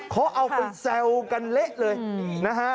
เขาเอาไปแซวกันเละเลยนะฮะ